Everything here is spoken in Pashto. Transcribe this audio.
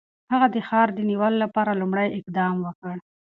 هغه د ښار د نیولو لپاره لومړی اقدام وکړ.